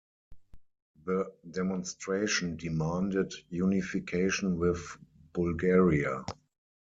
The demonstration demanded Unification with Bulgaria.